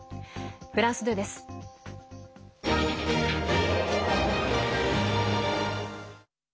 フランス２です。